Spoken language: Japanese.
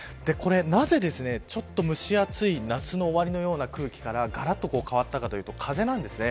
これなぜちょっと蒸し暑い夏の終わりのような空気からがらっと変わったかというと風なんですね。